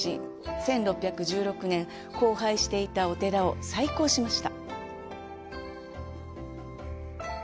１６１６年、荒廃していたお寺を再興しました。